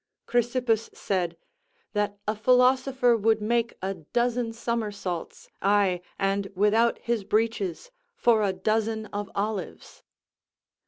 Chrysippus said, "That a philosopher would make a dozen somersaults, aye, and without his breeches, for a dozen of olives."